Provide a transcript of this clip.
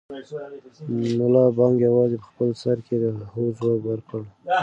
ملا بانګ یوازې په خپل سر کې د هو ځواب ورکړ.